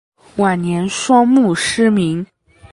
晚年双目失明。